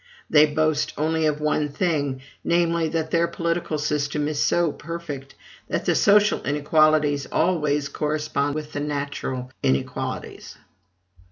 They boast only of one thing; namely, that their political system is so perfect, that the social inequalities always correspond with the natural inequalities.